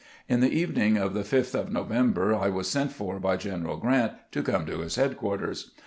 In the evening of the 5th of November I was sent for by General Grant to come to his headquarters.